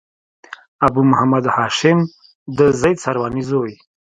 ابو محمد هاشم د زيد سرواني زوی.